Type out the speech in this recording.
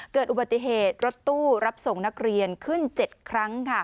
เกิดอุบัติเหตุรถตู้รับส่งนักเรียนขึ้น๗ครั้ง